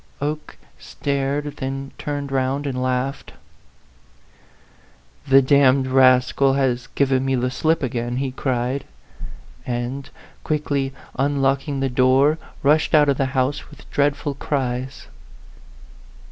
Oke stareu, then turned round and laughed. " The d d rascal has given me the slip again !" he cried ; and quickly unlocking the 134 A PHANTOM LOVER. door, rushed out of the house with dreadful cries.